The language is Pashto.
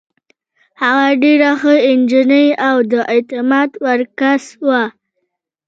هغه ډېره ښه نجلۍ او د اعتماد وړ کس وه.